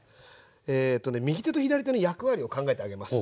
えっとね右手の左手の役割を考えてあげます。